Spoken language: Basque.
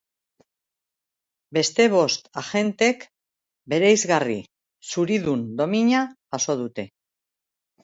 Beste bost agentek bereizgarri zuridun domina jaso dute.